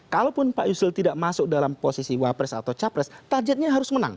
kalaupun pak yusril tidak masuk dalam posisi wapres atau capres targetnya harus menang